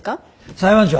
裁判長。